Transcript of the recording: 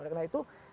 oleh karena itu